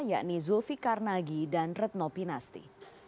yakni zulfi karnagi dan retno pinasti